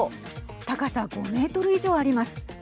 高さ５メートル以上あります。